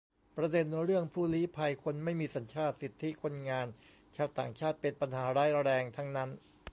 ประเด็นเรื่องผู้ลี้ภัย คนไม่มีสัญชาติ สิทธิคนงานชาวต่างชาติ เป็นปัญหาร้ายแรงทั้งนั้น